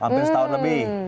hampir setahun lebih